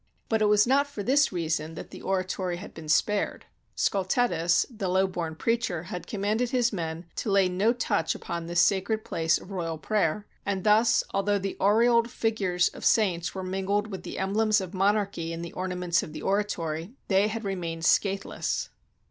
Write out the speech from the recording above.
But it was not for this reason that the oratory had been spared; Scultetus, the low born preacher, had commanded his men to lay no touch upon this sacred place of royal prayer; and thus, although the aureoled figures of saints were mingled with the emblems of monarchy in the ornaments of the oratory, they had remained scathless.